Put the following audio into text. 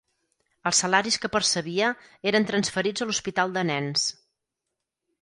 Els salaris que percebia eren transferits a l'Hospital de Nens.